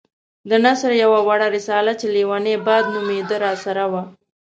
د نثر يوه وړه رساله چې ليونی باد نومېده راسره وه.